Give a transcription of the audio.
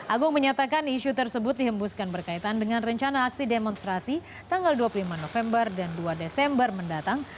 agung menyatakan isu tersebut dihembuskan berkaitan dengan rencana aksi demonstrasi tanggal dua puluh lima november dan dua desember mendatang